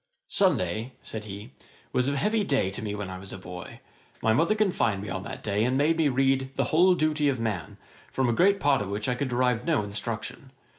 'Sunday (said he) was a heavy day to me when I was a boy. My mother confined me on that day, and made me read "The Whole Duty of Man," from a great part of which I could derive no instruction.